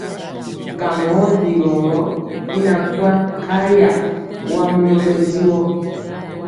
Kamɔ ɔ bigɔ i na kwaŋ nkaya, wa mɔmɔnɔ mɛdiwɔ.